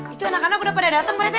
itu anak anak udah pada dateng pak reti